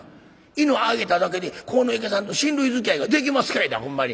犬あげただけで鴻池さんと親類づきあいができますかいなほんまに。